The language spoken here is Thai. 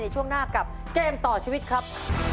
ช่วงหน้ากับเกมต่อชีวิตครับ